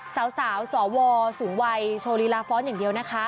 สาวสวสูงวัยโชว์ลีลาฟ้อนอย่างเดียวนะคะ